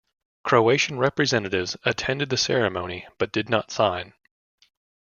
Croatian representatives attended the ceremony but did not sign.